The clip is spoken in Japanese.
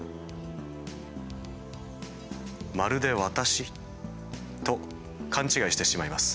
「まるで私？」と勘違いしてしまいます。